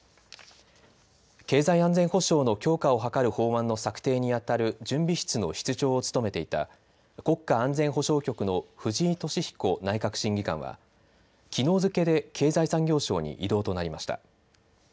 経済安全保障の強化を図る法案の策定にあたる準備室の室長を務めていた国家安全保障局の藤井敏彦内閣審議官はきのう付けで経済産業省に異動となりました。